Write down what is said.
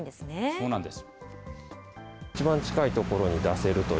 そうなんです。